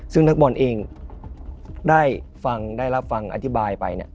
ซึ่งนักบอลเองได้ฟังได้รับฟังอธิบายไป